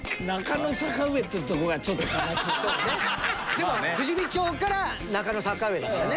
でも富士見町から中野坂上だもんね。